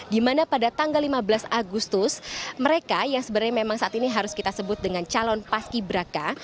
dimana pada tanggal lima belas agustus mereka yang sebenarnya memang saat ini harus kita sebut dengan calon paski beraka